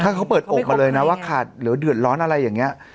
ถ้าเขาเปิดอกมาเลยนะว่าขาดหรือเดือดร้อนอะไรอย่างนี้